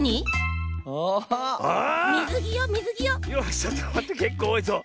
ちょっとまってけっこうおおいぞ。